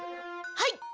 はい！